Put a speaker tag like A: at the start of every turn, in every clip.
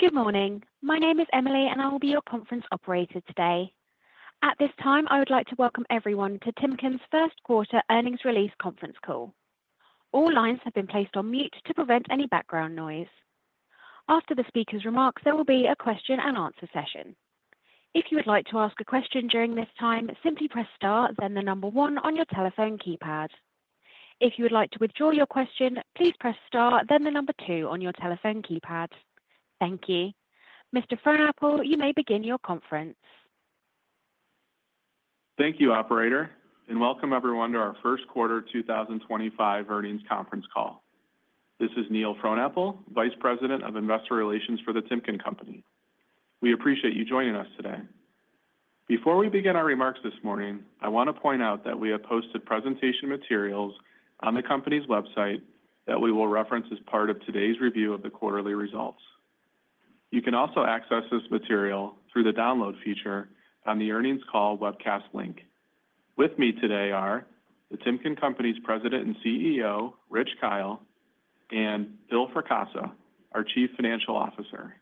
A: Good morning. My name is Emily, and I will be your conference operator today. At this time, I would like to welcome everyone to Timken's First Quarter Earnings Release Conference Call. All lines have been placed on mute to prevent any background noise. After the speaker's remarks, there will be a question and answer session. If you would like to ask a question during this time, simply press Star, then the number one on your telephone keypad. If you would like to withdraw your question, please press Star, then the number two on your telephone keypad. Thank you. Mr. Frohnapple, you may begin your conference.
B: Thank you, Operator, and welcome everyone to our First Quarter 2025 Earnings Conference Call. This is Neil Frohnapple, Vice President of Investor Relations for the Timken Company. We appreciate you joining us today. Before we begin our remarks this morning, I want to point out that we have posted presentation materials on the company's website that we will reference as part of today's review of the quarterly results. You can also access this material through the download feature on the earnings call webcast link. With me today are the Timken Company's President and CEO, Rich Kyle, and Phil Fracassa, our Chief Financial Officer.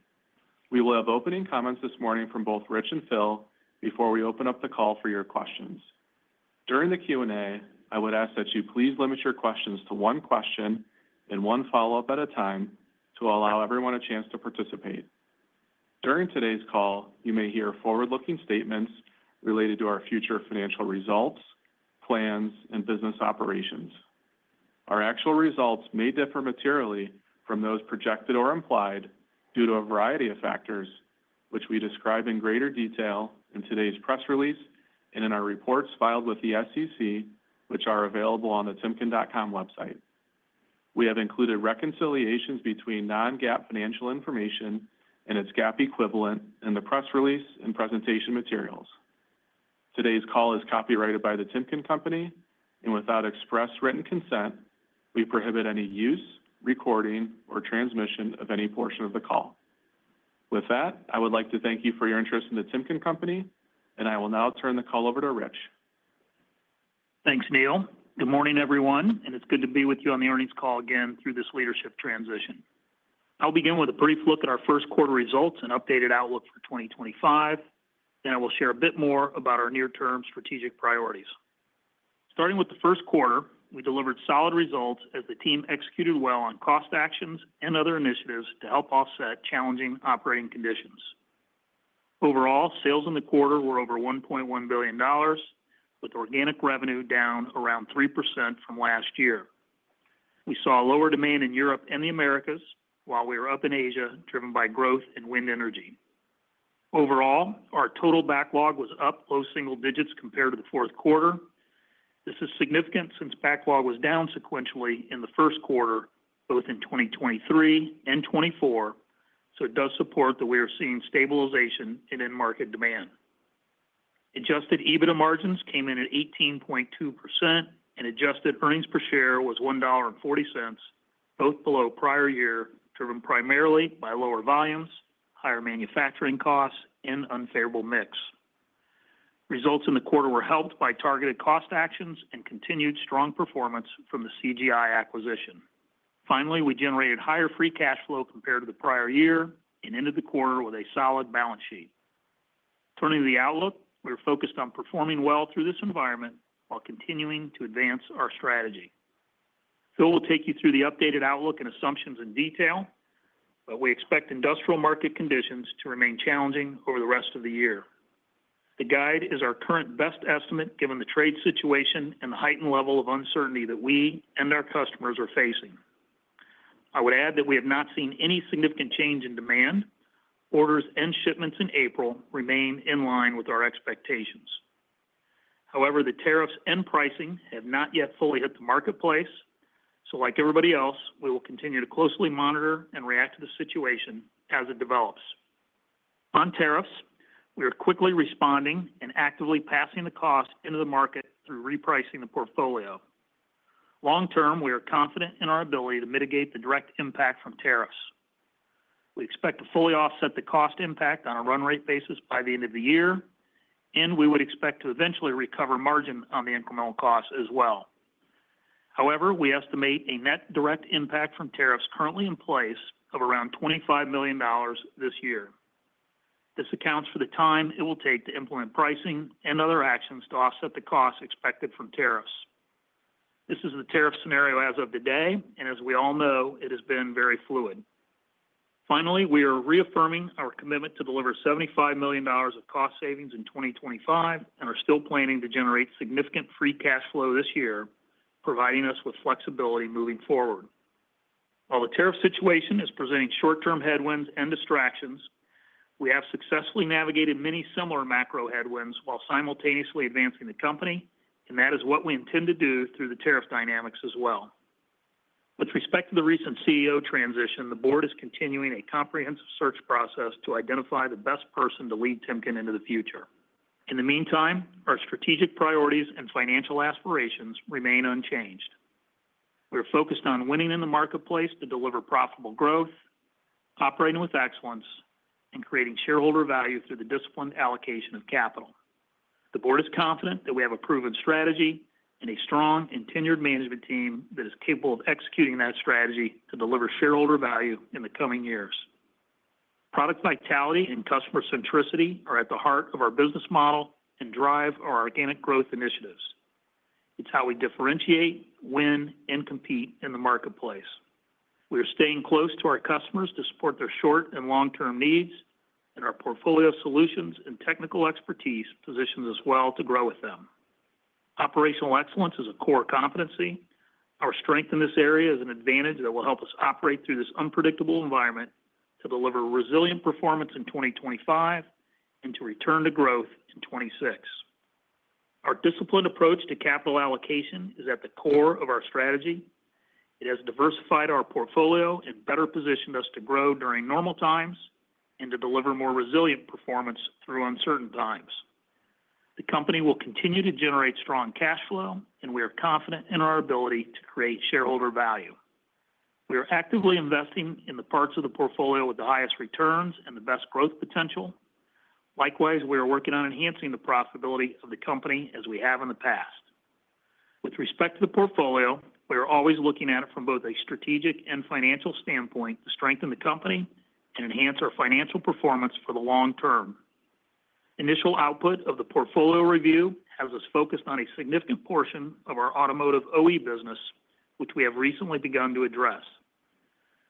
B: We will have opening comments this morning from both Rich and Phil before we open up the call for your questions. During the Q&A, I would ask that you please limit your questions to one question and one follow-up at a time to allow everyone a chance to participate. During today's call, you may hear forward-looking statements related to our future financial results, plans, and business operations. Our actual results may differ materially from those projected or implied due to a variety of factors, which we describe in greater detail in today's press release and in our reports filed with the SEC, which are available on the Timken.com website. We have included reconciliations between non-GAAP financial information and its GAAP equivalent in the press release and presentation materials. Today's call is copyrighted by the Timken Company, and without express written consent, we prohibit any use, recording, or transmission of any portion of the call. With that, I would like to thank you for your interest in the Timken Company, and I will now turn the call over to Rich.
C: Thanks, Neil. Good morning, everyone, and it's good to be with you on the earnings call again through this leadership transition. I'll begin with a brief look at our first quarter results and updated outlook for 2025, then I will share a bit more about our near-term strategic priorities. Starting with the first quarter, we delivered solid results as the team executed well on cost actions and other initiatives to help offset challenging operating conditions. Overall, sales in the quarter were over $1.1 billion, with organic revenue down around 3% from last year. We saw lower demand in Europe and the Americas, while we were up in Asia driven by growth in wind energy. Overall, our total backlog was up low single digits compared to the fourth quarter. This is significant since backlog was down sequentially in the first quarter, both in 2023 and 2024, so it does support that we are seeing stabilization in end market demand. Adjusted EBITDA margins came in at 18.2%, and adjusted earnings per share was $1.40, both below prior year driven primarily by lower volumes, higher manufacturing costs, and unfavorable mix. Results in the quarter were helped by targeted cost actions and continued strong performance from the CGI acquisition. Finally, we generated higher free cash flow compared to the prior year and ended the quarter with a solid balance sheet. Turning to the outlook, we are focused on performing well through this environment while continuing to advance our strategy. Phil will take you through the updated outlook and assumptions in detail, but we expect industrial market conditions to remain challenging over the rest of the year. The guide is our current best estimate given the trade situation and the heightened level of uncertainty that we and our customers are facing. I would add that we have not seen any significant change in demand. Orders and shipments in April remain in line with our expectations. However, the tariffs and pricing have not yet fully hit the marketplace, so like everybody else, we will continue to closely monitor and react to the situation as it develops. On tariffs, we are quickly responding and actively passing the cost into the market through repricing the portfolio. Long term, we are confident in our ability to mitigate the direct impact from tariffs. We expect to fully offset the cost impact on a run rate basis by the end of the year, and we would expect to eventually recover margin on the incremental cost as well. However, we estimate a net direct impact from tariffs currently in place of around $25 million this year. This accounts for the time it will take to implement pricing and other actions to offset the costs expected from tariffs. This is the tariff scenario as of today, and as we all know, it has been very fluid. Finally, we are reaffirming our commitment to deliver $75 million of cost savings in 2025 and are still planning to generate significant free cash flow this year, providing us with flexibility moving forward. While the tariff situation is presenting short-term headwinds and distractions, we have successfully navigated many similar macro headwinds while simultaneously advancing the company, and that is what we intend to do through the tariff dynamics as well. With respect to the recent CEO transition, the board is continuing a comprehensive search process to identify the best person to lead Timken into the future. In the meantime, our strategic priorities and financial aspirations remain unchanged. We are focused on winning in the marketplace to deliver profitable growth, operating with excellence, and creating shareholder value through the disciplined allocation of capital. The board is confident that we have a proven strategy and a strong and tenured management team that is capable of executing that strategy to deliver shareholder value in the coming years. Product vitality and customer centricity are at the heart of our business model and drive our organic growth initiatives. It's how we differentiate, win, and compete in the marketplace. We are staying close to our customers to support their short and long-term needs, and our portfolio solutions and technical expertise position us well to grow with them. Operational excellence is a core competency. Our strength in this area is an advantage that will help us operate through this unpredictable environment to deliver resilient performance in 2025 and to return to growth in 2026. Our disciplined approach to capital allocation is at the core of our strategy. It has diversified our portfolio and better positioned us to grow during normal times and to deliver more resilient performance through uncertain times. The company will continue to generate strong cash flow, and we are confident in our ability to create shareholder value. We are actively investing in the parts of the portfolio with the highest returns and the best growth potential. Likewise, we are working on enhancing the profitability of the company as we have in the past. With respect to the portfolio, we are always looking at it from both a strategic and financial standpoint to strengthen the company and enhance our financial performance for the long term. Initial output of the portfolio review has us focused on a significant portion of our automotive OE business, which we have recently begun to address.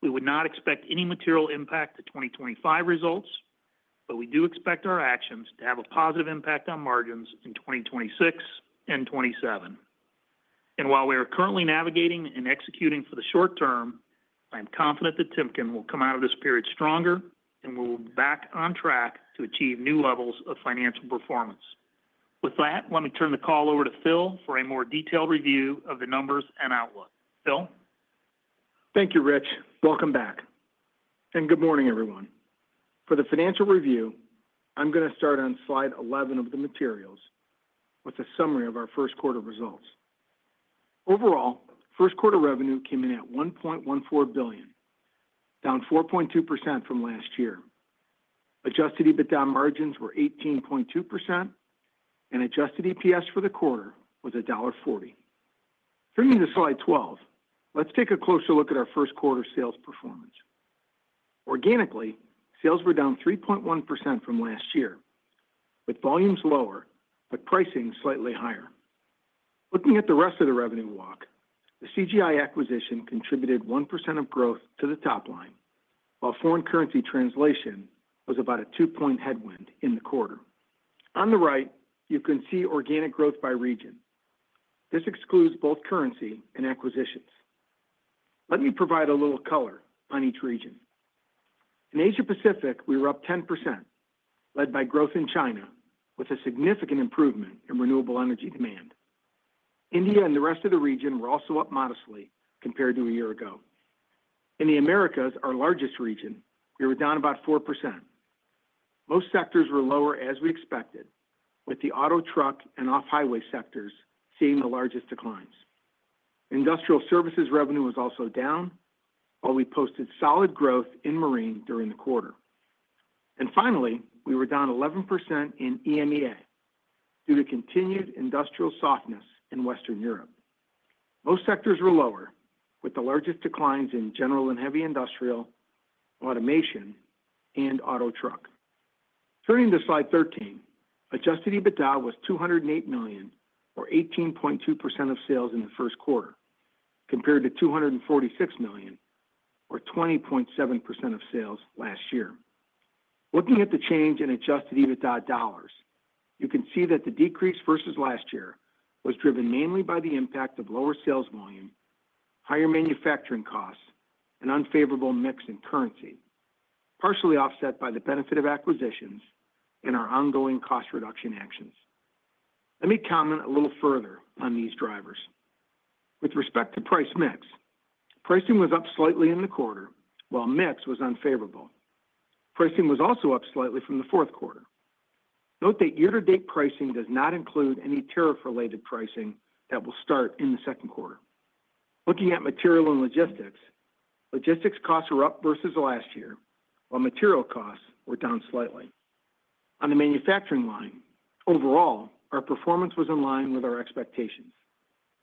C: We would not expect any material impact to 2025 results, but we do expect our actions to have a positive impact on margins in 2026 and 2027. While we are currently navigating and executing for the short term, I am confident that Timken will come out of this period stronger and will be back on track to achieve new levels of financial performance. With that, let me turn the call over to Phil for a more detailed review of the numbers and outlook. Phil?
D: Thank you, Rich. Welcome back. Good morning, everyone. For the financial review, I'm going to start on slide 11 of the materials with a summary of our first quarter results. Overall, first quarter revenue came in at $1.14 billion, down 4.2% from last year. Adjusted EBITDA margins were 18.2%, and adjusted EPS for the quarter was $1.40. Turning to slide 12, let's take a closer look at our first quarter sales performance. Organically, sales were down 3.1% from last year, with volumes lower but pricing slightly higher. Looking at the rest of the revenue walk, the CGI acquisition contributed 1% of growth to the top line, while foreign currency translation was about a two-point headwind in the quarter. On the right, you can see organic growth by region. This excludes both currency and acquisitions. Let me provide a little color on each region. In Asia-Pacific, we were up 10%, led by growth in China, with a significant improvement in renewable energy demand. India and the rest of the region were also up modestly compared to a year ago. In the Americas, our largest region, we were down about 4%. Most sectors were lower as we expected, with the auto, truck, and off-highway sectors seeing the largest declines. Industrial services revenue was also down, while we posted solid growth in marine during the quarter. Finally, we were down 11% in EMEA due to continued industrial softness in Western Europe. Most sectors were lower, with the largest declines in general and heavy industrial, automation, and auto, truck. Turning to slide 13, adjusted EBITDA was $208 million, or 18.2% of sales in the first quarter, compared to $246 million, or 20.7% of sales last year. Looking at the change in adjusted EBITDA dollars, you can see that the decrease versus last year was driven mainly by the impact of lower sales volume, higher manufacturing costs, and unfavorable mix in currency, partially offset by the benefit of acquisitions and our ongoing cost reduction actions. Let me comment a little further on these drivers. With respect to price mix, pricing was up slightly in the quarter, while mix was unfavorable. Pricing was also up slightly from the fourth quarter. Note that year-to-date pricing does not include any tariff-related pricing that will start in the second quarter. Looking at material and logistics, logistics costs were up versus last year, while material costs were down slightly. On the manufacturing line, overall, our performance was in line with our expectations.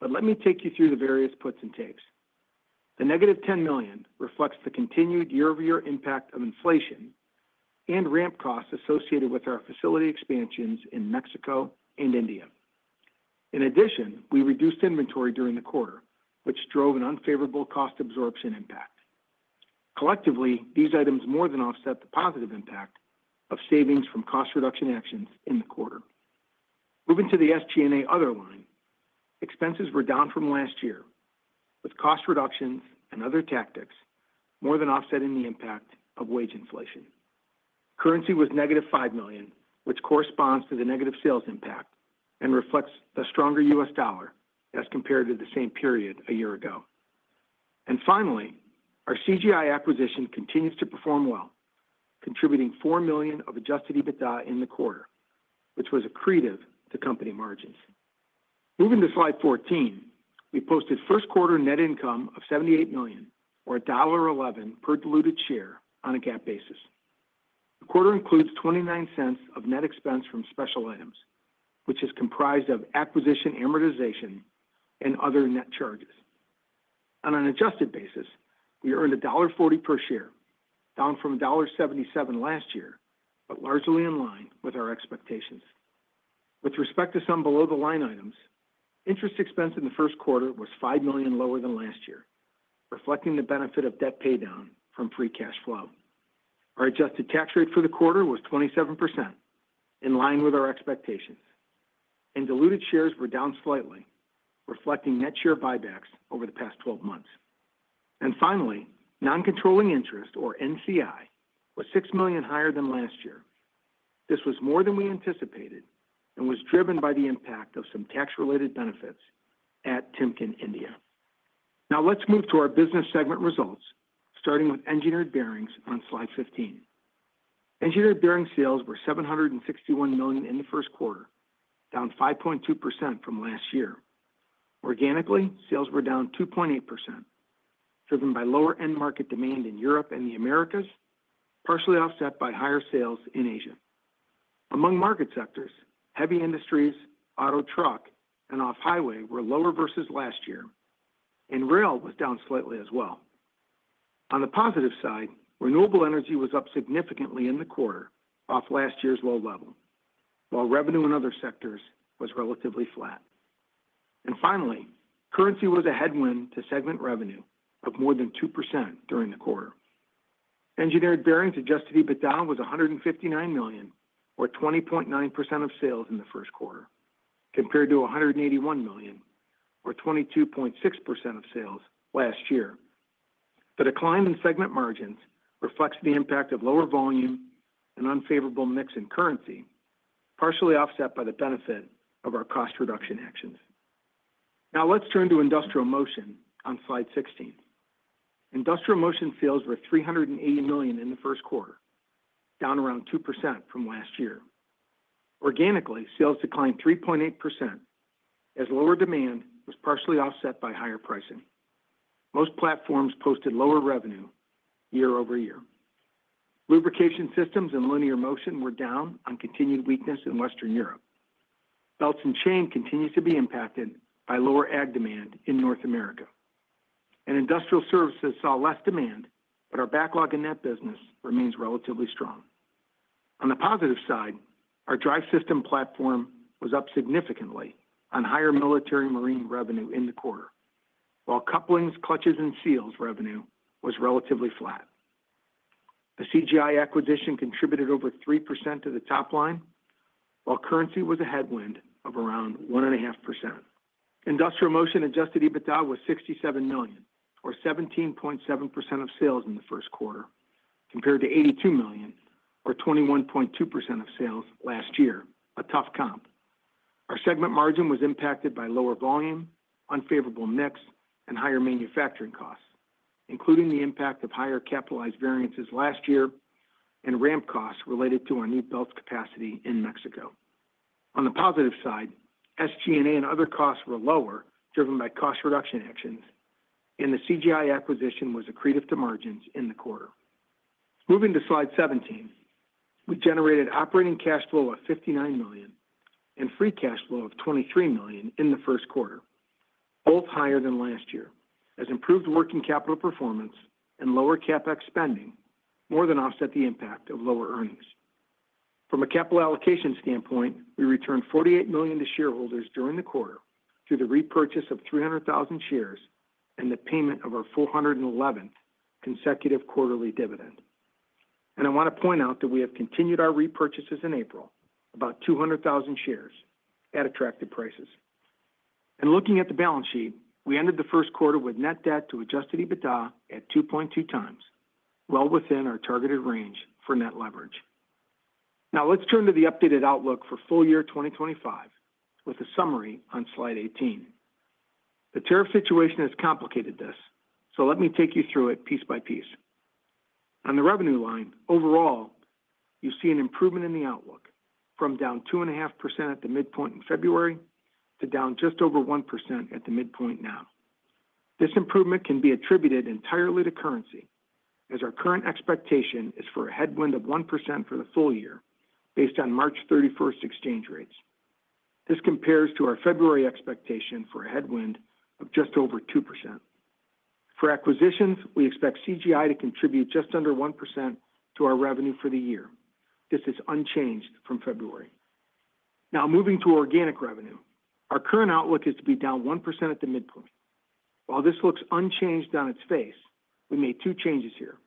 D: Let me take you through the various puts and takes. The negative $10 million reflects the continued year-over-year impact of inflation and ramp costs associated with our facility expansions in Mexico and India. In addition, we reduced inventory during the quarter, which drove an unfavorable cost absorption impact. Collectively, these items more than offset the positive impact of savings from cost reduction actions in the quarter. Moving to the SG&A other line, expenses were down from last year, with cost reductions and other tactics more than offsetting the impact of wage inflation. Currency was negative $5 million, which corresponds to the negative sales impact and reflects the stronger U.S. dollar as compared to the same period a year ago. Finally, our CGI acquisition continues to perform well, contributing $4 million of adjusted EBITDA in the quarter, which was accretive to company margins. Moving to slide 14, we posted first quarter net income of $78 million, or $1.11 per diluted share on a GAAP basis. The quarter includes $0.29 of net expense from special items, which is comprised of acquisition amortization and other net charges. On an adjusted basis, we earned $1.40 per share, down from $1.77 last year, but largely in line with our expectations. With respect to some below-the-line items, interest expense in the first quarter was $5 million lower than last year, reflecting the benefit of debt paydown from free cash flow. Our adjusted tax rate for the quarter was 27%, in line with our expectations. Diluted shares were down slightly, reflecting net share buybacks over the past 12 months. Finally, non-controlling interest, or NCI, was $6 million higher than last year. This was more than we anticipated and was driven by the impact of some tax-related benefits at Timken India. Now let's move to our business segment results, starting with engineered bearings on slide 15. Engineered bearing sales were $761 million in the first quarter, down 5.2% from last year. Organically, sales were down 2.8%, driven by lower end market demand in Europe and the Americas, partially offset by higher sales in Asia. Among market sectors, heavy industries, auto, truck, and off-highway were lower versus last year. Rail was down slightly as well. On the positive side, renewable energy was up significantly in the quarter, off last year's low level, while revenue in other sectors was relatively flat. Currency was a headwind to segment revenue of more than 2% during the quarter. Engineered bearings adjusted EBITDA was $159 million, or 20.9% of sales in the first quarter, compared to $181 million, or 22.6% of sales last year. The decline in segment margins reflects the impact of lower volume and unfavorable mix in currency, partially offset by the benefit of our cost reduction actions. Now let's turn to industrial motion on slide 16. Industrial motion sales were $380 million in the first quarter, down around 2% from last year. Organically, sales declined 3.8% as lower demand was partially offset by higher pricing. Most platforms posted lower revenue year-over-year. Lubrication systems and linear motion were down on continued weakness in Western Europe. Belts and chain continues to be impacted by lower ag demand in North America. Industrial services saw less demand, but our backlog in that business remains relatively strong. On the positive side, our drive system platform was up significantly on higher military marine revenue in the quarter, while couplings, clutches, and seals revenue was relatively flat. The CGI acquisition contributed over 3% to the top line, while currency was a headwind of around 1.5%. Industrial motion adjusted EBITDA was $67 million, or 17.7% of sales in the first quarter, compared to $82 million, or 21.2% of sales last year, a tough comp. Our segment margin was impacted by lower volume, unfavorable mix, and higher manufacturing costs, including the impact of higher capitalized variances last year and ramp costs related to our new belt capacity in Mexico. On the positive side, SG&A and other costs were lower, driven by cost reduction actions, and the CGI acquisition was accretive to margins in the quarter. Moving to slide 17, we generated operating cash flow of $59 million and free cash flow of $23 million in the first quarter, both higher than last year as improved working capital performance and lower CapEx spending more than offset the impact of lower earnings. From a capital allocation standpoint, we returned $48 million to shareholders during the quarter through the repurchase of 300,000 shares and the payment of our 411th consecutive quarterly dividend. I want to point out that we have continued our repurchases in April, about 200,000 shares at attractive prices. Looking at the balance sheet, we ended the first quarter with net debt to adjusted EBITDA at 2.2x, well within our targeted range for net leverage. Now let's turn to the updated outlook for full year 2025 with a summary on slide 18. The tariff situation has complicated this, so let me take you through it piece by piece. On the revenue line, overall, you see an improvement in the outlook from down 2.5% at the midpoint in February to down just over 1% at the midpoint now. This improvement can be attributed entirely to currency, as our current expectation is for a headwind of 1% for the full year based on March 31 exchange rates. This compares to our February expectation for a headwind of just over 2%. For acquisitions, we expect CGI to contribute just under 1% to our revenue for the year. This is unchanged from February. Now moving to organic revenue, our current outlook is to be down 1% at the midpoint. While this looks unchanged on its face, we made two changes here.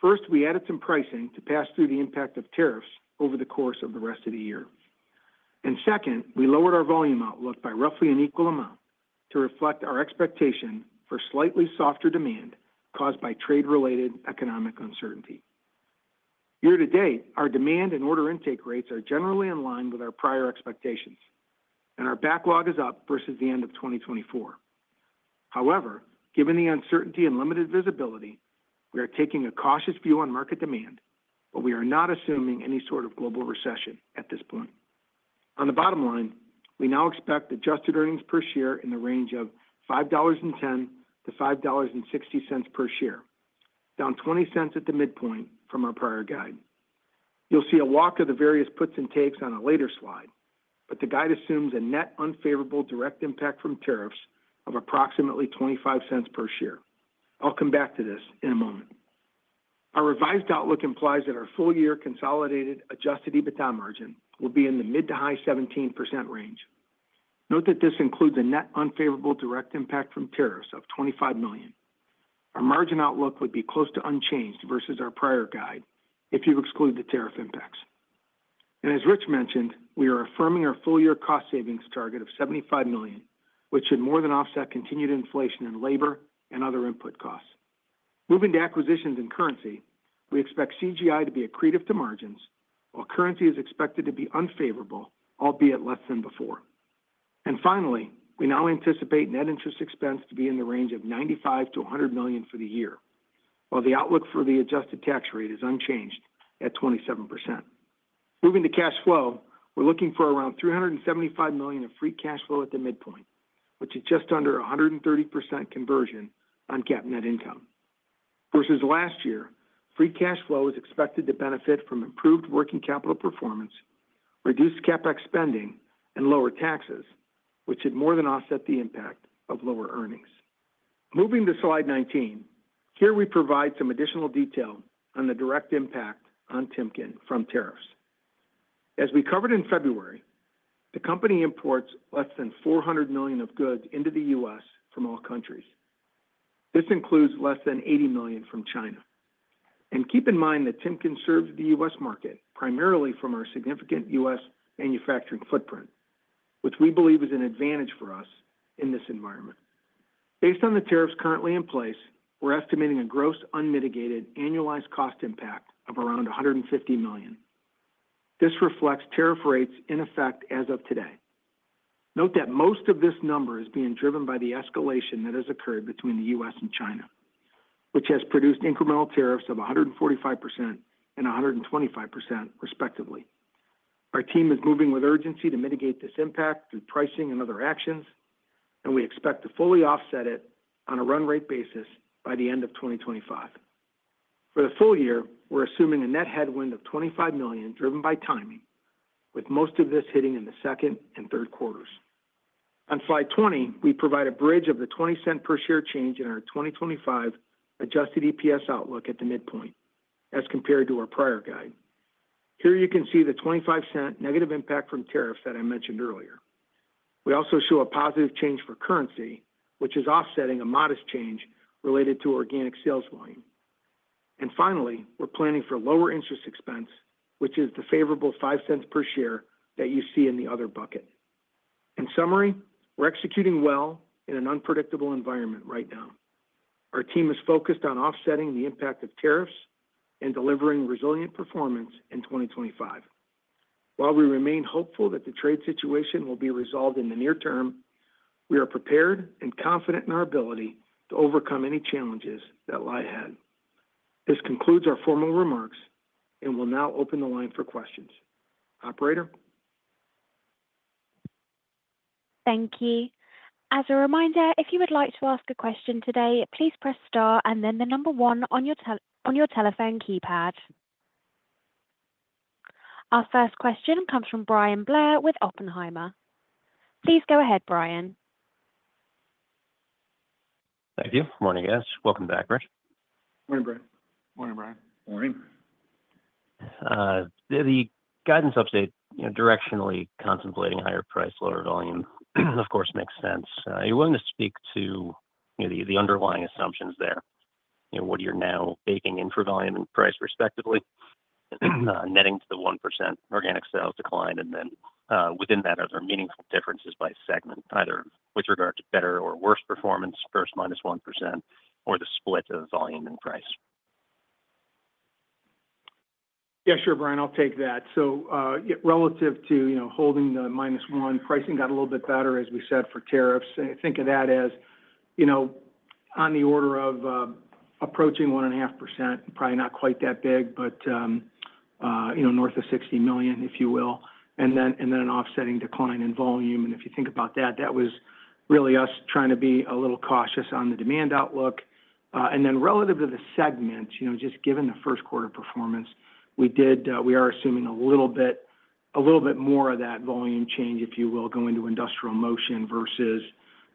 D: First, we added some pricing to pass through the impact of tariffs over the course of the rest of the year. Second, we lowered our volume outlook by roughly an equal amount to reflect our expectation for slightly softer demand caused by trade-related economic uncertainty. Year-to-date, our demand and order intake rates are generally in line with our prior expectations, and our backlog is up versus the end of 2024. However, given the uncertainty and limited visibility, we are taking a cautious view on market demand, but we are not assuming any sort of global recession at this point. On the bottom line, we now expect adjusted earnings per share in the range of $5.10-$5.60 per share, down $0.20 at the midpoint from our prior guide. You'll see a walk of the various puts and takes on a later slide, but the guide assumes a net unfavorable direct impact from tariffs of approximately $0.25 per share. I'll come back to this in a moment. Our revised outlook implies that our full year consolidated adjusted EBITDA margin will be in the mid-to-high 17% range. Note that this includes a net unfavorable direct impact from tariffs of $25 million. Our margin outlook would be close to unchanged versus our prior guide if you exclude the tariff impacts. As Rich mentioned, we are affirming our full year cost savings target of $75 million, which should more than offset continued inflation in labor and other input costs. Moving to acquisitions and currency, we expect CGI to be accretive to margins, while currency is expected to be unfavorable, albeit less than before. Finally, we now anticipate net interest expense to be in the range of $95 million-$100 million for the year, while the outlook for the adjusted tax rate is unchanged at 27%. Moving to cash flow, we're looking for around $375 million of free cash flow at the midpoint, which is just under 130% conversion on GAAP net income. Versus last year, free cash flow is expected to benefit from improved working capital performance, reduced CapEx spending, and lower taxes, which should more than offset the impact of lower earnings. Moving to slide 19, here we provide some additional detail on the direct impact on Timken from tariffs. As we covered in February, the company imports less than $400 million of goods into the U.S. from all countries. This includes less than $80 million from China. Keep in mind that Timken serves the U.S. market primarily from our significant U.S. manufacturing footprint, which we believe is an advantage for us in this environment. Based on the tariffs currently in place, we're estimating a gross unmitigated annualized cost impact of around $150 million. This reflects tariff rates in effect as of today. Note that most of this number is being driven by the escalation that has occurred between the U.S. and China, which has produced incremental tariffs of 145% and 125%, respectively. Our team is moving with urgency to mitigate this impact through pricing and other actions, and we expect to fully offset it on a run rate basis by the end of 2025. For the full year, we're assuming a net headwind of $25 million driven by timing, with most of this hitting in the second and third quarters. On slide 20, we provide a bridge of the $0.20 per share change in our 2025 adjusted EPS outlook at the midpoint as compared to our prior guide. Here you can see the $0.25 negative impact from tariffs that I mentioned earlier. We also show a positive change for currency, which is offsetting a modest change related to organic sales volume. Finally, we're planning for lower interest expense, which is the favorable $0.05 per share that you see in the other bucket. In summary, we're executing well in an unpredictable environment right now. Our team is focused on offsetting the impact of tariffs and delivering resilient performance in 2025. While we remain hopeful that the trade situation will be resolved in the near term, we are prepared and confident in our ability to overcome any challenges that lie ahead. This concludes our formal remarks, and we'll now open the line for questions. Operator.
A: Thank you. As a reminder, if you would like to ask a question today, please press star and then the number one on your telephone keypad. Our first question comes from Bryan Blair with Oppenheimer. Please go ahead, Bryan.
E: Thank you. Morning, guys. Welcome back, Rich.
D: Morning, Bryan.
C: Morning, Bryan.
E: Morning. The guidance update, directionally contemplating higher price, lower volume, of course, makes sense. Are you willing to speak to the underlying assumptions there, what you're now baking in for volume and price respectively, netting to the 1% organic sales decline, and then within that, are there meaningful differences by segment, either with regard to better or worse performance, first minus 1%, or the split of volume and price?
D: Yeah, sure, Bryan, I'll take that. Relative to holding the minus one, pricing got a little bit better, as we said, for tariffs. Think of that as on the order of approaching 1.5%, probably not quite that big, but north of $60 million, if you will, and then an offsetting decline in volume. If you think about that, that was really us trying to be a little cautious on the demand outlook. Relative to the segment, just given the first quarter performance, we are assuming a little bit more of that volume change, if you will, going to industrial motion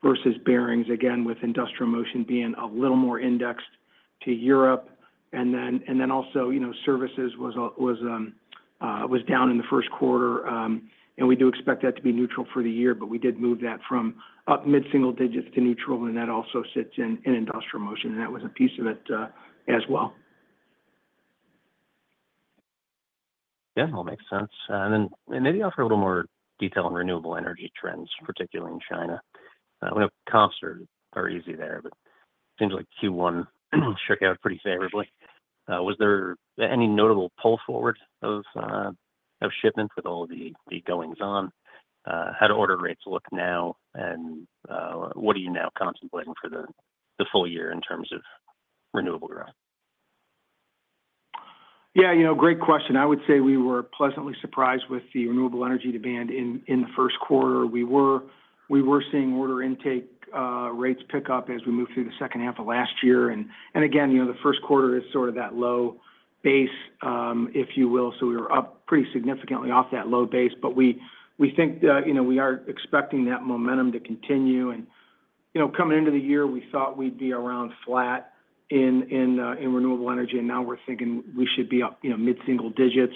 D: versus bearings, again, with industrial motion being a little more indexed to Europe. Services was down in the first quarter, and we do expect that to be neutral for the year, but we did move that from up mid-single digits to neutral, and that also sits in industrial motion, and that was a piece of it as well.
E: Yeah, that all makes sense. Maybe offer a little more detail on renewable energy trends, particularly in China. I know costs are easy there, but it seems like Q1 shook out pretty favorably. Was there any notable pull forward of shipment with all the goings-on? How do order rates look now, and what are you now contemplating for the full year in terms of renewable growth?
D: Yeah, you know, great question. I would say we were pleasantly surprised with the renewable energy demand in the first quarter. We were seeing order intake rates pick up as we moved through the second half of last year. The first quarter is sort of that low base, if you will, so we were up pretty significantly off that low base, but we think we are expecting that momentum to continue. Coming into the year, we thought we'd be around flat in renewable energy, and now we're thinking we should be up mid-single digits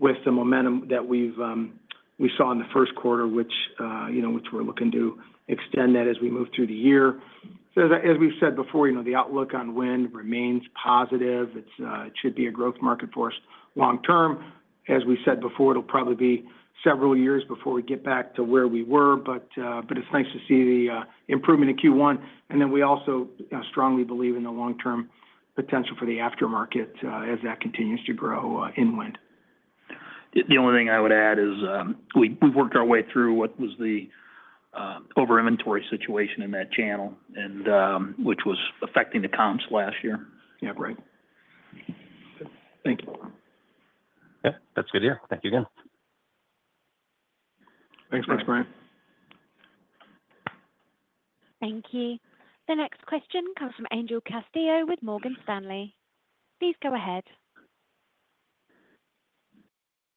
D: with the momentum that we saw in the first quarter, which we're looking to extend as we move through the year. As we've said before, the outlook on wind remains positive. It should be a growth market for us long-term. As we said before, it'll probably be several years before we get back to where we were, but it's nice to see the improvement in Q1. We also strongly believe in the long-term potential for the aftermarket as that continues to grow in wind. The only thing I would add is we've worked our way through what was the over-inventory situation in that channel, which was affecting the comps last year. Yeah, great. Thank you.
E: That's good to hear. Thank you again.
D: Thanks much, Bryan. Thank you.
A: The next question comes from Angel Castillo with Morgan Stanley. Please go ahead.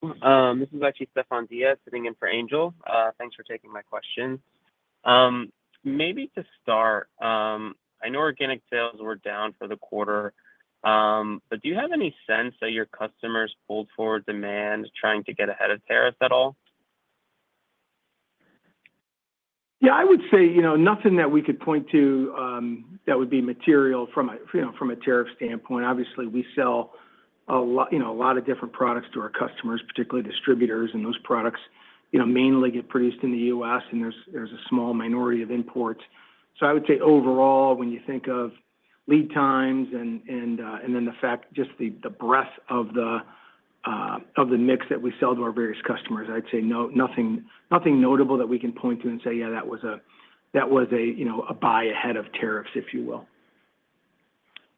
F: This is actually Stefan Diaz sitting in for Angel. Thanks for taking my question. Maybe to start, I know organic sales were down for the quarter, but do you have any sense that your customers pulled forward demand trying to get ahead of tariffs at all?
D: Yeah, I would say nothing that we could point to that would be material from a tariff standpoint. Obviously, we sell a lot of different products to our customers, particularly distributors, and those products mainly get produced in the U.S., and there's a small minority of imports. I would say overall, when you think of lead times and then the fact just the breadth of the mix that we sell to our various customers, I'd say nothing notable that we can point to and say, "Yeah, that was a buy ahead of tariffs," if you will.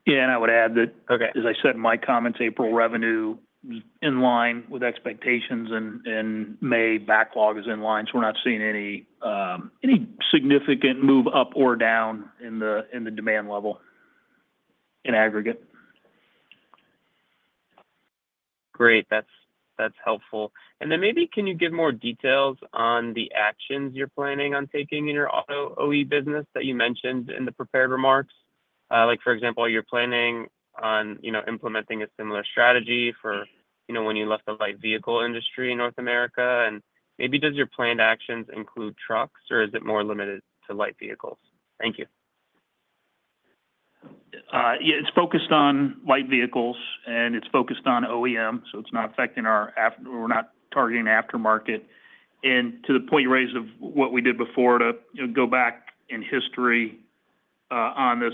C: I would add that, as I said in my comments, April revenue was in line with expectations, and May backlog is in line, so we're not seeing any significant move up or down in the demand level in aggregate.
F: Great. That's helpful. Maybe can you give more details on the actions you're planning on taking in your auto OE business that you mentioned in the prepared remarks? For example, you're planning on implementing a similar strategy for when you left the light vehicle industry in North America. Maybe does your planned actions include trucks, or is it more limited to light vehicles? Thank you.
C: Yeah, it's focused on light vehicles, and it's focused on OEM, so it's not affecting our—we're not targeting aftermarket. To the point you raised of what we did before to go back in history on this,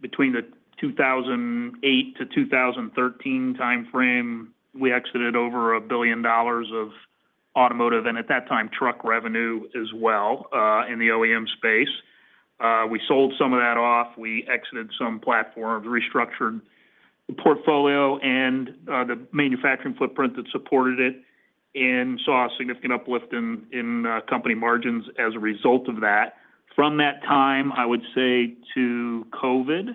C: between the 2008 to 2013 timeframe, we exited over $1 billion of automotive and, at that time, truck revenue as well in the OEM space. We sold some of that off. We exited some platforms, restructured the portfolio and the manufacturing footprint that supported it, and saw a significant uplift in company margins as a result of that. From that time, I would say to COVID,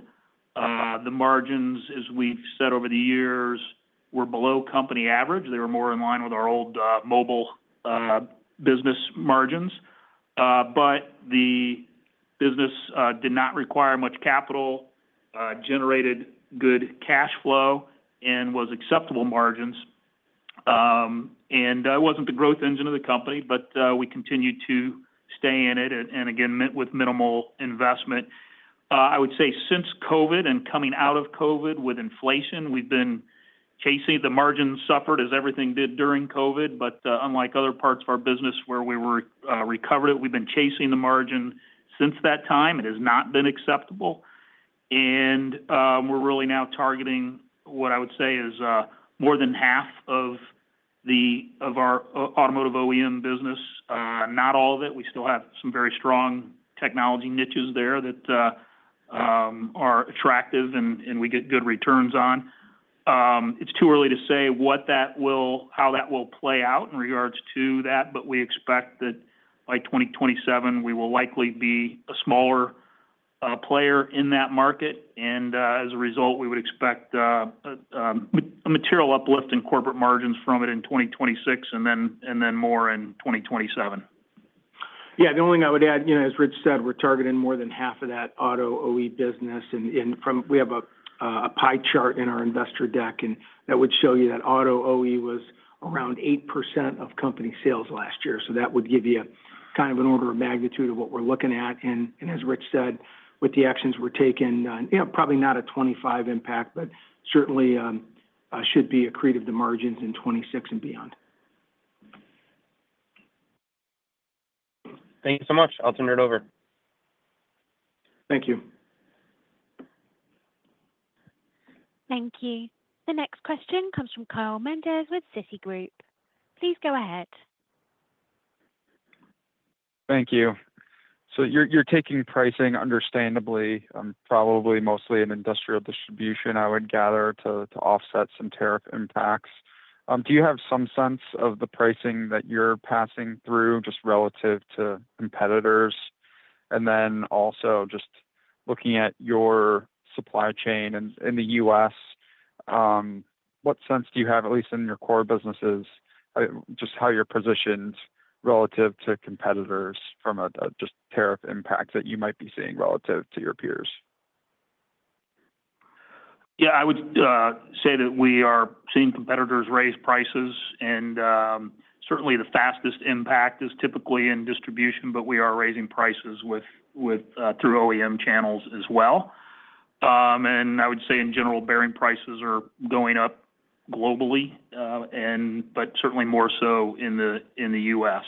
C: the margins, as we've said over the years, were below company average. They were more in line with our old mobile business margins. The business did not require much capital, generated good cash flow, and was acceptable margins. It wasn't the growth engine of the company, but we continued to stay in it and, again, with minimal investment. I would say since COVID and coming out of COVID with inflation, we've been chasing the margins suffered as everything did during COVID. Unlike other parts of our business where we recovered it, we've been chasing the margin since that time. It has not been acceptable. We're really now targeting what I would say is more than half of our automotive OE business, not all of it. We still have some very strong technology niches there that are attractive and we get good returns on. It's too early to say how that will play out in regards to that, but we expect that by 2027, we will likely be a smaller player in that market. As a result, we would expect a material uplift in corporate margins from it in 2026 and then more in 2027.
D: Yeah, the only thing I would add, as Rich said, we're targeting more than half of that auto OE business. We have a pie chart in our investor deck, and that would show you that auto OE was around 8% of company sales last year. That would give you kind of an order of magnitude of what we're looking at. As Rich said, with the actions we're taking, probably not a 2025 impact, but certainly should be accretive to margins in 2026 and beyond.
F: Thank you so much. I'll turn it over.
D: Thank you.
A: Thank you. The next question comes from Kyle Menges with Citigroup. Please go ahead.
G: Thank you. You're taking pricing, understandably, probably mostly in industrial distribution, I would gather, to offset some tariff impacts. Do you have some sense of the pricing that you're passing through just relative to competitors? Also, just looking at your supply chain in the U.S., what sense do you have, at least in your core businesses, just how you're positioned relative to competitors from a tariff impact that you might be seeing relative to your peers?
C: Yeah, I would say that we are seeing competitors raise prices, and certainly the fastest impact is typically in distribution, but we are raising prices through OEM channels as well. I would say, in general, bearing prices are going up globally, but certainly more so in the U.S.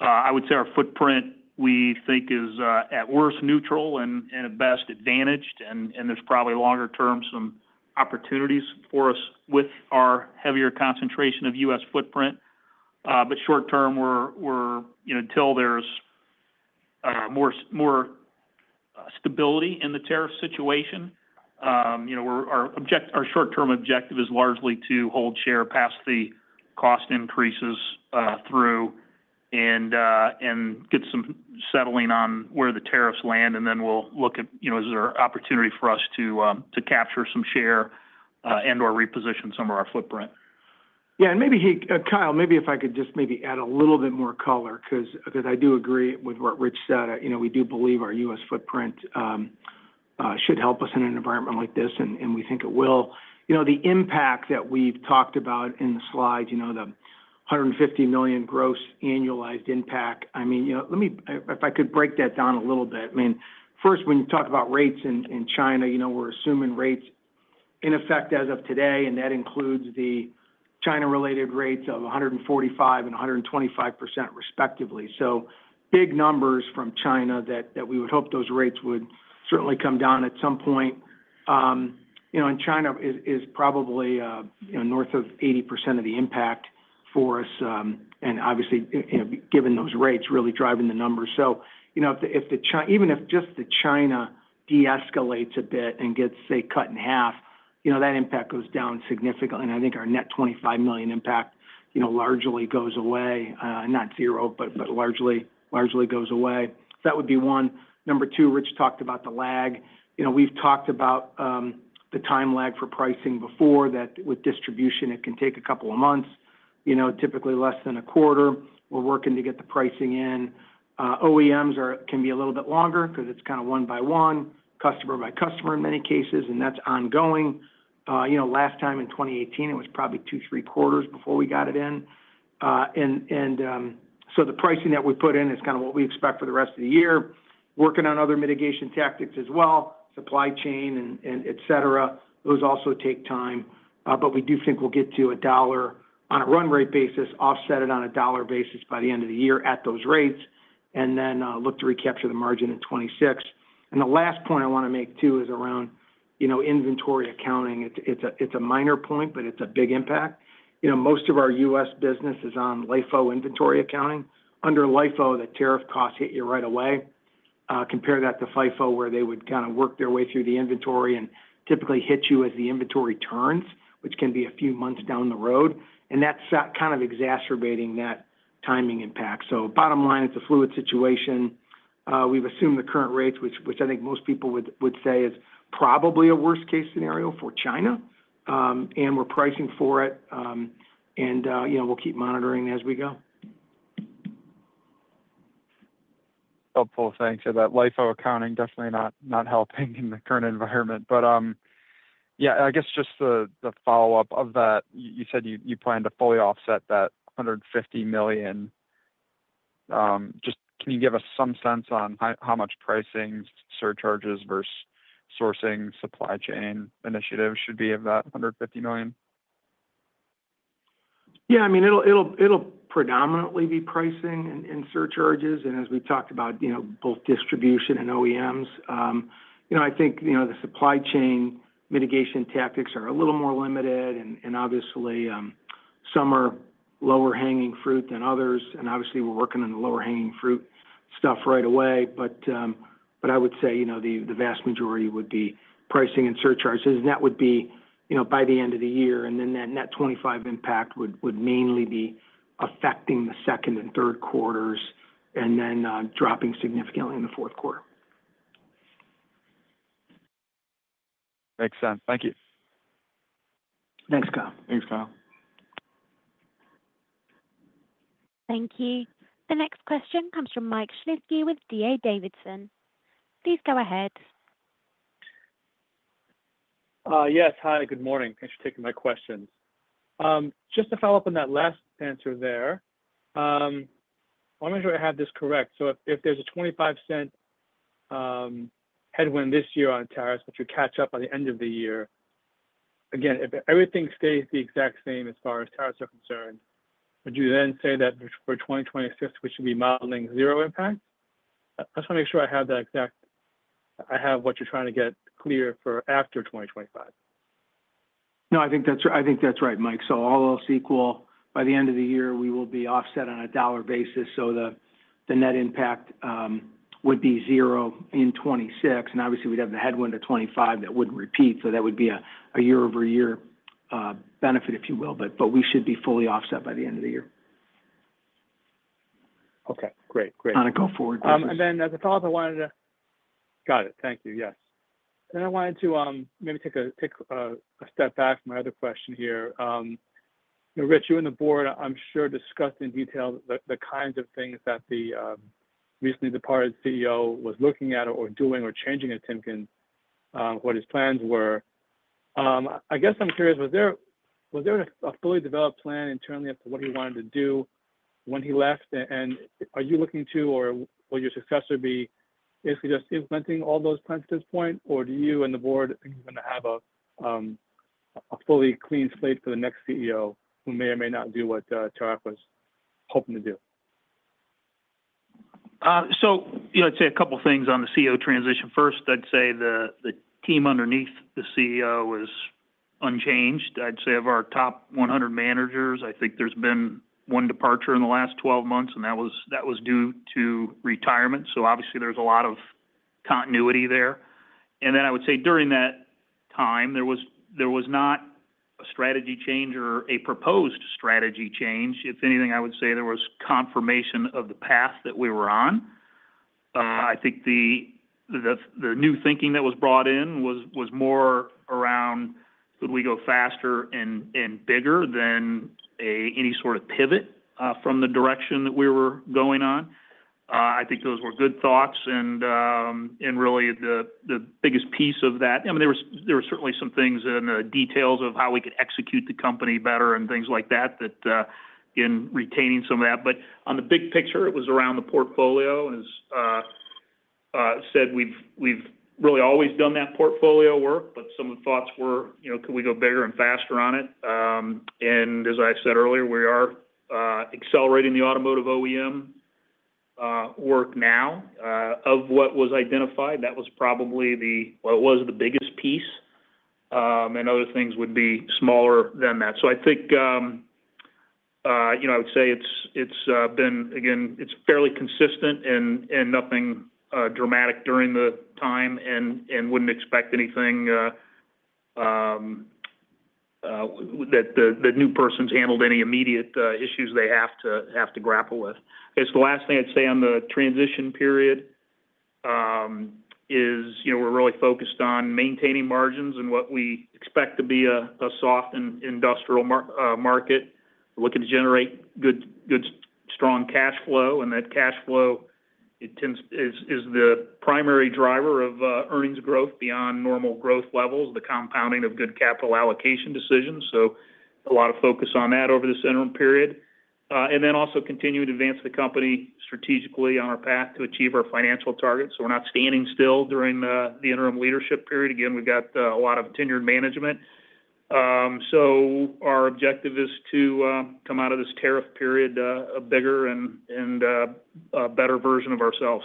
C: I would say our footprint, we think, is at worst neutral and at best advantaged, and there's probably longer-term some opportunities for us with our heavier concentration of U.S. footprint. Short-term, until there's more stability in the tariff situation, our short-term objective is largely to hold share, pass the cost increases through, and get some settling on where the tariffs land, and then we'll look at is there an opportunity for us to capture some share and/or reposition some of our footprint.
D: Yeah, and maybe, Kyle, maybe if I could just maybe add a little bit more color because I do agree with what Rich said. We do believe our U.S. footprint should help us in an environment like this, and we think it will. The impact that we've talked about in the slides, the $150 million gross annualized impact, I mean, if I could break that down a little bit. I mean, first, when you talk about rates in China, we're assuming rates in effect as of today, and that includes the China-related rates of 145% and 125% respectively. Big numbers from China that we would hope those rates would certainly come down at some point. China is probably north of 80% of the impact for us, and obviously, given those rates, really driving the numbers. Even if just the China de-escalates a bit and gets, say, cut in half, that impact goes down significantly. I think our net $25 million impact largely goes away, not zero, but largely goes away. That would be one. Number two, Rich talked about the lag. We've talked about the time lag for pricing before that with distribution, it can take a couple of months, typically less than a quarter. We're working to get the pricing in. OEMs can be a little bit longer because it's kind of one by one, customer by customer in many cases, and that's ongoing. Last time in 2018, it was probably two, three quarters before we got it in. The pricing that we put in is kind of what we expect for the rest of the year. Working on other mitigation tactics as well, supply chain, etc., those also take time. We do think we'll get to a dollar on a run rate basis, offset it on a dollar basis by the end of the year at those rates, and then look to recapture the margin in 2026. The last point I want to make, too, is around inventory accounting. It's a minor point, but it's a big impact. Most of our U.S. business is on LIFO inventory accounting. Under LIFO, the tariff costs hit you right away. Compare that to FIFO, where they would kind of work their way through the inventory and typically hit you as the inventory turns, which can be a few months down the road. That's kind of exacerbating that timing impact. Bottom line, it's a fluid situation. We've assumed the current rates, which I think most people would say is probably a worst-case scenario for China, and we're pricing for it. We'll keep monitoring as we go.
G: Helpful. Thanks. That LIFO accounting definitely not helping in the current environment. I guess just the follow-up of that, you said you plan to fully offset that $150 million. Just can you give us some sense on how much pricing surcharges versus sourcing supply chain initiatives should be of that $150 million?
D: Yeah, I mean, it'll predominantly be pricing and surcharges. As we talked about both distribution and OEMs, I think the supply chain mitigation tactics are a little more limited, and obviously, some are lower-hanging fruit than others. Obviously, we're working on the lower-hanging fruit stuff right away. I would say the vast majority would be pricing and surcharges. That would be by the end of the year. That net $0.25 impact would mainly be affecting the second and third quarters and then dropping significantly in the fourth quarter.
G: Makes sense. Thank you.
D: Thanks, Kyle.
C: Thanks, Kyle.
A: Thank you. The next question comes from Mike Shlisky with D.A. Davidson. Please go ahead.
H: Yes, hi. Good morning. Thanks for taking my question. Just to follow up on that last answer there, I want to make sure I have this correct. If there is a $0.25 headwind this year on tariffs, which would catch up by the end of the year, again, if everything stays the exact same as far as tariffs are concerned, would you then say that for 2026, we should be modeling zero impact? I just want to make sure I have that exact—I have what you are trying to get clear for after 2025.
D: No, I think that's right, Mike. All else equal, by the end of the year, we will be offset on a dollar basis. The net impact would be zero in 2026. Obviously, we'd have the headwind of 2025 that would not repeat. That would be a year-over-year benefit, if you will. We should be fully offset by the end of the year.
H: Okay. Great. Great. I'm going to go forward. As a follow-up, I wanted to—got it. Thank you. Yes. I wanted to maybe take a step back from my other question here. Rich, you and the board, I'm sure, discussed in detail the kinds of things that the recently departed CEO was looking at or doing or changing at Timken when his plans were. I guess I'm curious, was there a fully developed plan internally as to what he wanted to do when he left? Are you looking to, or will your successor be basically just implementing all those plans at this point? Do you and the board think you're going to have a fully clean slate for the next CEO who may or may not do what Tarak was hoping to do?
C: I'd say a couple of things on the CEO transition. First, I'd say the team underneath the CEO is unchanged. Of our top 100 managers, I think there's been one departure in the last 12 months, and that was due to retirement. Obviously, there's a lot of continuity there. I would say during that time, there was not a strategy change or a proposed strategy change. If anything, I would say there was confirmation of the path that we were on. I think the new thinking that was brought in was more around, could we go faster and bigger than any sort of pivot from the direction that we were going on? I think those were good thoughts. I mean, the biggest piece of that—I mean, there were certainly some things in the details of how we could execute the company better and things like that in retaining some of that. On the big picture, it was around the portfolio. As said, we've really always done that portfolio work, but some of the thoughts were, could we go bigger and faster on it? As I said earlier, we are accelerating the automotive OE work now of what was identified. That was probably the—well, it was the biggest piece. Other things would be smaller than that. I think I would say it's been, again, it's fairly consistent and nothing dramatic during the time and wouldn't expect anything that the new persons handled any immediate issues they have to grapple with. The last thing I'd say on the transition period is we're really focused on maintaining margins and what we expect to be a soft industrial market. We're looking to generate good, strong cash flow. That cash flow tends—is the primary driver of earnings growth beyond normal growth levels, the compounding of good capital allocation decisions. A lot of focus on that over this interim period. Also continuing to advance the company strategically on our path to achieve our financial targets so we're not standing still during the interim leadership period. Again, we've got a lot of tenured management. Our objective is to come out of this tariff period a bigger and better version of ourselves.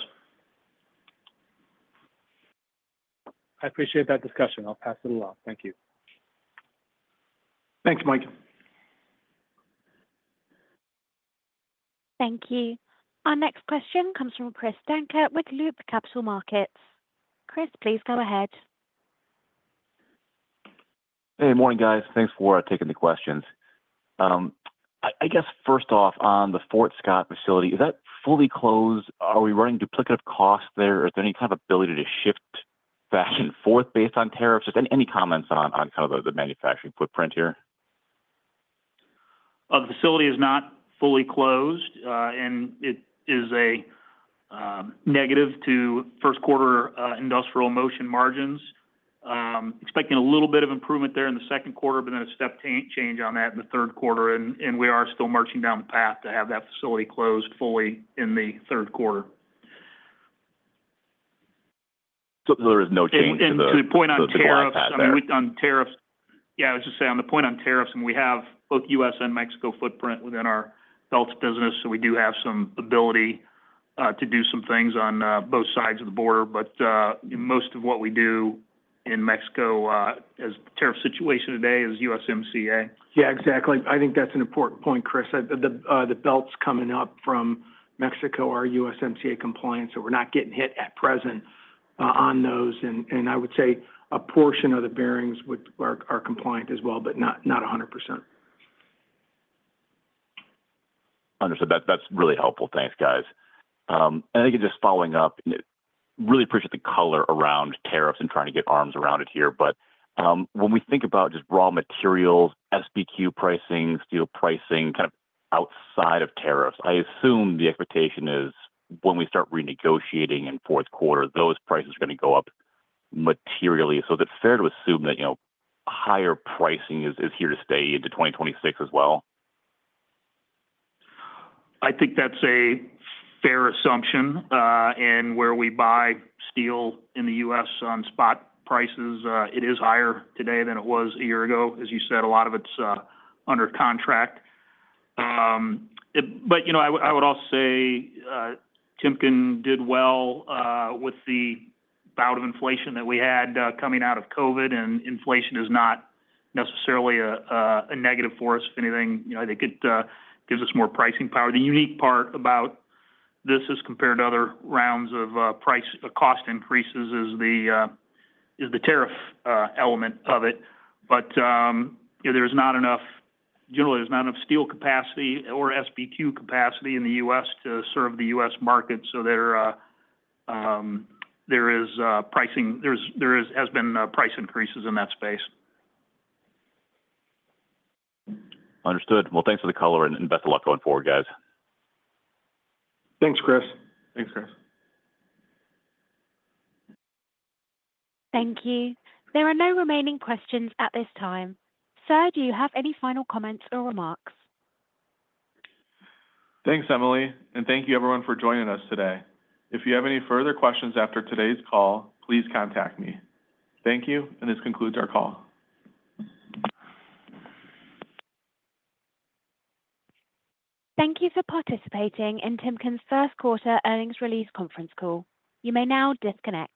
H: I appreciate that discussion. I'll pass it along. Thank you.
D: Thanks, Mike.
A: Thank you. Our next question comes from Chris Dankert with Loop Capital Markets. Chris, please go ahead.
I: Hey, morning, guys. Thanks for taking the questions. I guess, first off, on the Fort Scott facility, is that fully closed? Are we running duplicative costs there? Is there any kind of ability to shift back and forth based on tariffs? Any comments on kind of the manufacturing footprint here?
C: The facility is not fully closed, and it is a negative to first-quarter industrial motion margins. Expecting a little bit of improvement there in the second quarter, but then a step change on that in the third quarter. We are still marching down the path to have that facility closed fully in the third quarter. There is no change in the—to the point on tariffs, I mean, on tariffs—yeah, I was just saying on the point on tariffs, we have both U.S. and Mexico footprint within our belts business, so we do have some ability to do some things on both sides of the border. Most of what we do in Mexico as the tariff situation today is USMCA.
D: Yeah, exactly. I think that's an important point, Chris. The belts coming up from Mexico are USMCA compliant, so we're not getting hit at present on those. I would say a portion of the bearings are compliant as well, but not 100%.
I: Understood. That's really helpful. Thanks, guys. I think just following up, really appreciate the color around tariffs and trying to get arms around it here. When we think about just raw materials, SBQ pricing, steel pricing kind of outside of tariffs, I assume the expectation is when we start renegotiating in fourth quarter, those prices are going to go up materially. It is fair to assume that higher pricing is here to stay into 2026 as well?
C: I think that is a fair assumption. Where we buy steel in the U.S. on spot prices, it is higher today than it was a year ago. As you said, a lot of it is under contract. I would also say Timken did well with the bout of inflation that we had coming out of COVID, and inflation is not necessarily a negative force. If anything, I think it gives us more pricing power. The unique part about this as compared to other rounds of cost increases is the tariff element of it. There is not enough—generally, there is not enough steel capacity or SBQ capacity in the U.S. to serve the U.S. market. There is pricing—there have been price increases in that space.
I: Understood. Thanks for the color, and best of luck going forward, guys.
D: Thanks, Chris.
C: Thanks, Chris.
A: Thank you. There are no remaining questions at this time. Sir, do you have any final comments or remarks?
B: Thanks, Emily. Thank you, everyone, for joining us today. If you have any further questions after today's call, please contact me. Thank you, and this concludes our call.
A: Thank you for participating in Timken's first quarter earnings release conference call. You may now disconnect.